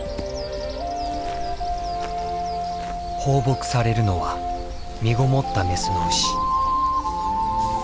放牧されるのはみごもったメスの牛。